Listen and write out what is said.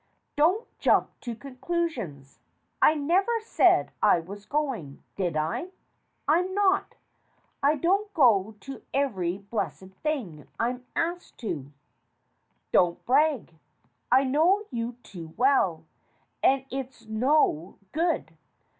Don't jump to conclusions. I never said I was going, did I ? I'm not. I don't go to every blessed thing I'm asked to." "Don't brag. I know you too well, and it's no good.